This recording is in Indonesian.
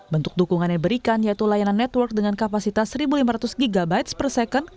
bentuk dukungan yang diberikan yaitu layanan network dengan kapasitas satu lima ratus gb per second